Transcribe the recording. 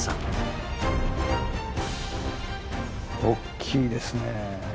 おっきいですね。